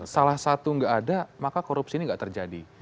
salah satu nggak ada maka korupsi ini nggak terjadi